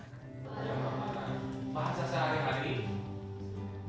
pada papan masa sehari hari